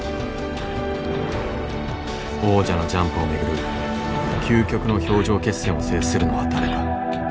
王者のジャンプを巡る究極の氷上決戦を制するのは誰か。